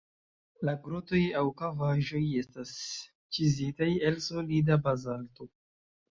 La grotoj aŭ kavaĵoj estas ĉizitaj el solida bazalto.